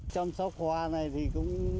chăm sóc hoa này thì cũng